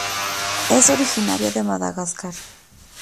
Es originaria de Madagascar.